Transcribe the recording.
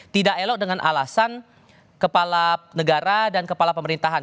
tidak elok dengan alasan kepala negara dan kepala pemerintahan